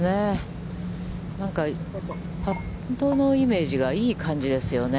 なんかパットのイメージがいい感じですよね。